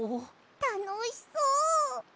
たのしそう。